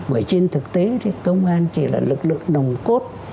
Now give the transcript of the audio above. bởi trên thực tế thì công an chỉ là lực lượng nồng cốt